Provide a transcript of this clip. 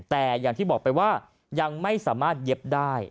แต่ยังไม่สามารถเย็บได้